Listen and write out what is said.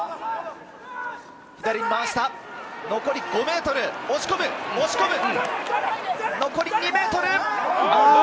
左に回した、残り５ｍ，押し込む、残り２ｍ。